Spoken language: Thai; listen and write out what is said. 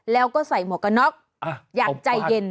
แล้วก็ใส่หมวกกันน็อกอย่างใจเย็น